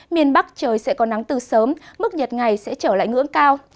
miền bắc trời sẽ có nắng từ sớm mức nhiệt ngày sẽ trở lại ngưỡng cao